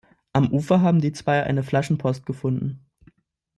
Am Ufer haben die zwei eine Flaschenpost gefunden.